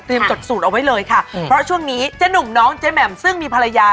จดสูตรเอาไว้เลยค่ะเพราะช่วงนี้เจ๊หนุ่มน้องเจ๊แหม่มซึ่งมีภรรยา